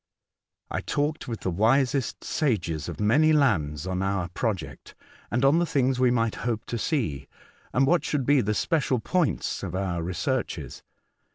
I talked with the wisest sages of many lands on our project, and on the things we might hope to see, and what should be the special points of our researches.